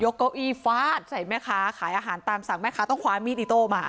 เก้าอี้ฟาดใส่แม่ค้าขายอาหารตามสั่งแม่ค้าต้องคว้ามีดอิโต้มา